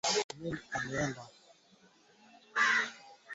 Kiwango cha maambukizi hutegemea wingi wa mbungo na wadudu wanaongata